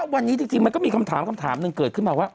วันนี้จริงมันก็มีคำถามนึงเกิดขึ้นมาว่า